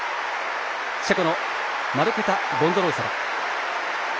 チェコのマルケタ・ボンドロウソバ。